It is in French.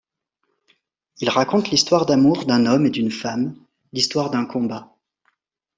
Il raconte l’histoire d’amour d’un homme et d’une femme, l'histoire d'un combat.